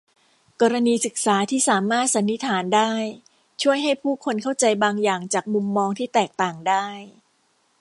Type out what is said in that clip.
กรณีศึกษาที่สามารถสันนิษฐานได้ช่วยให้ผู้คนเข้าใจบางอย่างจากมุมมองที่แตกต่างได้